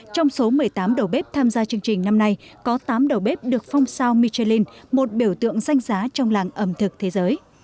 trong số một mươi tám đầu bếp tham gia chương trình năm nay có tám đầu bếp được phong sao michelin một biểu tượng danh giá trong làng ẩm thực thế giới